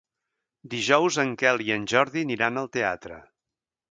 Dijous en Quel i en Jordi aniran al teatre.